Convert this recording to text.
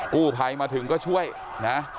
กู้ภัยมาถึงก็ช่วยนะ